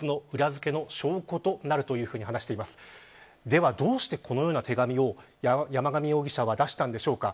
では、どうしてこのような手紙を山上容疑者は出したんでしょうか。